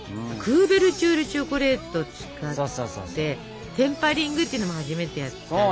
クーベルチュールチョコレートを使ってテンパリングっていうのも初めてやったでしょ。